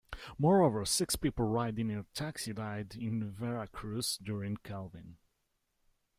Moreover, six people riding in a taxi died in Veracruz during Calvin.